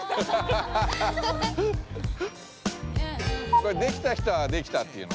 これできた人はできたって言うの？